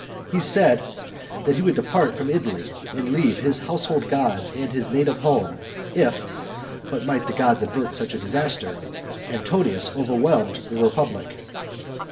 He said, that he would depart from Italy, and leave his household gods and his native home, if (but might the gods avert such a disaster!) Antonius overwhelmed the republic.